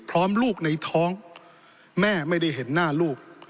ลูกในท้องแม่ไม่ได้เห็นหน้าลูก